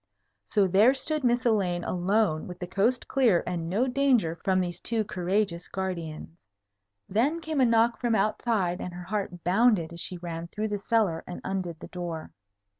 So there stood Miss Elaine alone, with the coast clear, and no danger from these two courageous guardians. Then came a knock from outside, and her heart bounded as she ran through the cellar and undid the door.